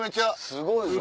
すごいぞ。